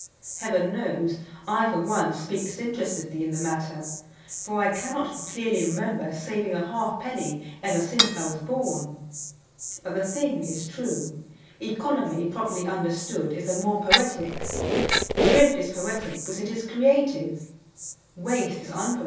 Heaven knows I for one speak disinterestedly in the matter; for I cannot clearly remember saving a half penny ever since I was born. But the thing is true; economy, properly understood, is the more poetic. Thrift is poetic because it is creative; waste is unpoetic because it is waste.